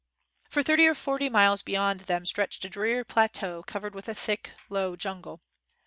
For thirty or forty miles beyond them stretched a dreary plateau covered with a thick, low jungle.